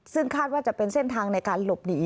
ซึ่งคาดว่าจะเป็นเส้นทางในการหลบหนี